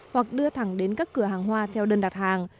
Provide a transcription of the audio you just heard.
hoặc đưa thẳng đến các cửa hàng hoa theo đơn đặt hàng